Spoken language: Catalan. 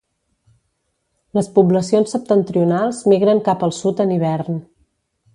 Les poblacions septentrionals migren cap al sud en hivern.